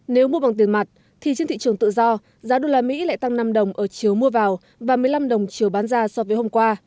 nếu mua bằng tiền mặt thì trên thị trường tự do giá đô la mỹ lại tăng năm đồng ở chiều mua vào và một mươi năm đồng chiều bán ra so với hôm qua